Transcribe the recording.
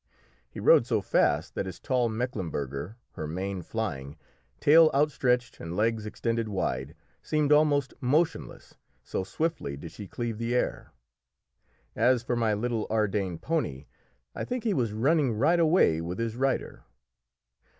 He rode so fast that his tall Mecklemburger, her mane flying, tail outstretched, and legs extended wide, seemed almost motionless, so swiftly did she cleave the air. As for my little Ardenne pony, I think he was running right away with his rider.